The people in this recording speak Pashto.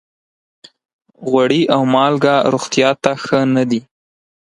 غوړي او مالګه روغتیا ته ښه نه دي.